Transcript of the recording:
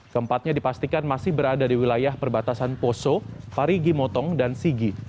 keempatnya dipastikan masih berada di wilayah perbatasan poso parigi motong dan sigi